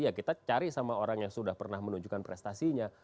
ya kita cari sama orang yang sudah pernah menunjukkan prestasinya